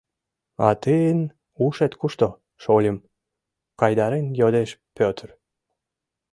— А тыйын ушет кушто, шольым? — кайдарен йодеш Пӧтыр.